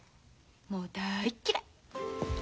もう大っ嫌い。